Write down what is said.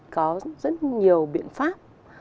có rất nhiều biện pháp